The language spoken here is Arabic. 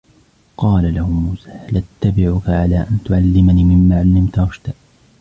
قَالَ لَهُ مُوسَى هَلْ أَتَّبِعُكَ عَلَى أَنْ تُعَلِّمَنِ مِمَّا عُلِّمْتَ رُشْدًا